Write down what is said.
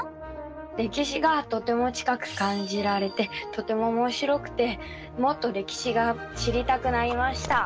歴史がとても近く感じられてとてもおもしろくてもっと歴史が知りたくなりました。